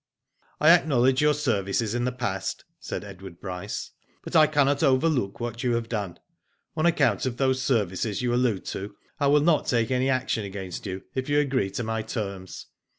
*' I acknowledge your services in the past," said Edward Bryce; but I cannot overlook what you have done. On account of those services you allude to I will not take any action against you if you agree to my terms.